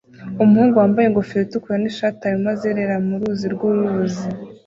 Umuhungu wambaye ingofero itukura nishati arimo azerera mu ruzi rwuruzi